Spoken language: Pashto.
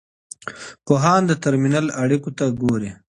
پوهان د ترمینل اړیکو ته ګوري.